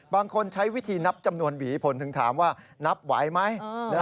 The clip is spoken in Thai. บางคนใช้วิธีนับจำนวนหวีผลถึงถามว่านับไหวไหม